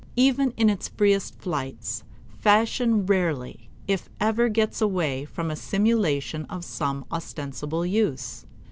Even in its freest flights, fashion rarely if ever gets away from a simulation of some ostensible use.